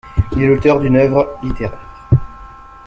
Il est l'auteur d'une œuvre littéraire.